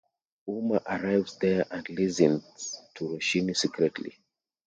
Umar arrives there and listens to Roshini secretly.